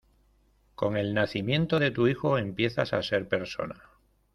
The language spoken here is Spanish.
con el nacimiento de tu hijo, empiezas a ser persona